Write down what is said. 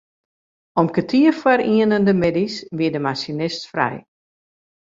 Om kertier foar ienen de middeis wie de masinist frij.